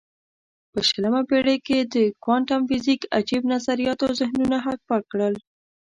په شلمه پېړۍ کې د کوانتم فزیک عجیب نظریاتو ذهنونه هک پک کړل.